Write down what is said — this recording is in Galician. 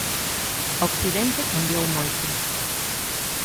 Occidente cambiou moito.